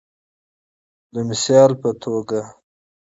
د بیلګی په توکه